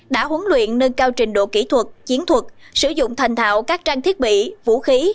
đã huấn luyện nâng cao trình độ kỹ thuật chiến thuật sử dụng thành thạo các trang thiết bị vũ khí